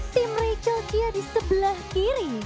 tim rachel dia di sebelah kiri